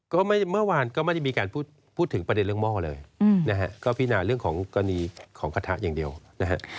ก็เมื่อวานก็ไม่ได้มีการพูดถึงประเด็นเรื่องหม้อเลยนะฮะก็พินาเรื่องของกรณีของกระทะอย่างเดียวนะฮะ